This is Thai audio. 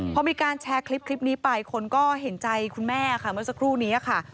พอมีการแชร์คลิปนี้ไปคนก็เห็นใจคุณแม่ค่ะเมื่อสักครู่นี้ค่ะ